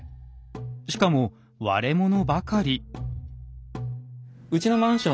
しかも割れ物ばかり。